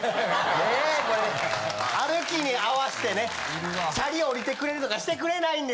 ねえこれ歩きに合わしてねチャリ降りてくれるとかしてくれないんです。